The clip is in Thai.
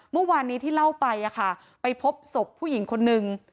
เมื่อวานนี้ที่เล่าไปไปพบศพผู้หญิงคนนึง